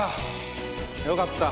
よかった。